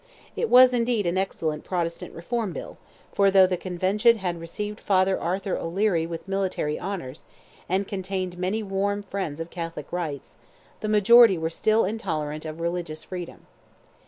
It was, indeed, an excellent Protestant Reform Bill, for though the Convention had received Father Arthur O'Leary with military honours, and contained many warm friends of Catholic rights, the majority were still intolerant of religious freedom.